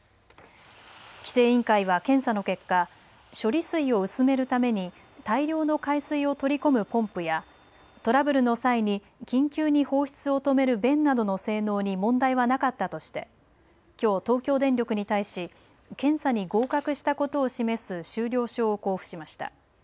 規制委員会は検査の結果処理水を薄めるために大量の海水を取り込むポンプやトラブルの際に緊急に放出を止める弁などの性能に問題はなかったとしてきょう、東京電力に対し検査に合格したことを示す終了証を交付しました。